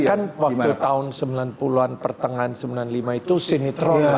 iya kan waktu tahun sembilan puluh an pertengahan seribu sembilan ratus sembilan puluh lima itu sinetron lah